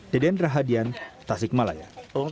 deden rahadian tasik malaya